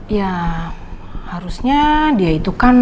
ya harusnya dia itu kan